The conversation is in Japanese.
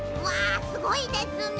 すごいですね！